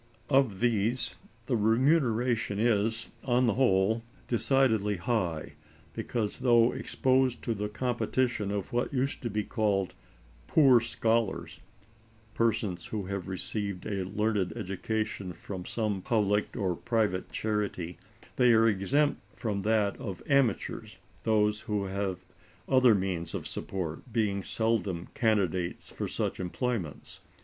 Of these, the remuneration is, on the whole, decidedly high; because, though exposed to the competition of what used to be called "poor scholars" (persons who have received a learned education from some public or private charity), they are exempt from that of amateurs, those who have other means of support being seldom candidates for such employments.